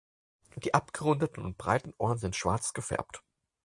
Die abgerundeten und breite Ohren sind schwarz gefärbt.